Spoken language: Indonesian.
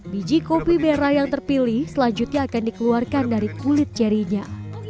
biji kopi merah yang terpilih selanjutnya akan dikeluarkan dari kulit cerinya